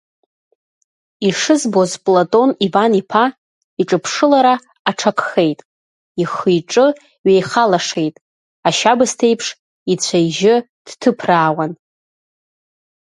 Ишызбоз Платон Иван-иԥа иҿаԥшылара аҽакхеит, ихы-иҿы ҩеихалашеит, ашьабсҭеиԥш ицәа-ижьы дҭыԥраауан.